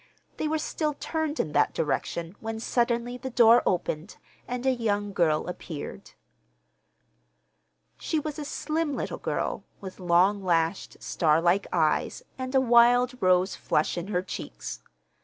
They were still turned in that direction when suddenly the door opened and a young girl appeared. She was a slim little girl with long lashed, starlike eyes and a wild rose flush in her cheeks.